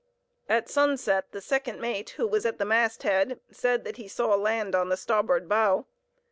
At sunset the second mate, who was at the masthead, said that he saw land on the starboard bow.